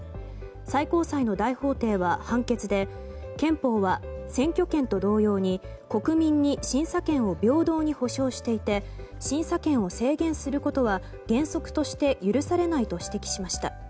最高裁の大法廷は、判決で憲法は選挙権と同様に国民に審査権を平等に保障していて審査権を制限することは原則として許されないと指摘しました。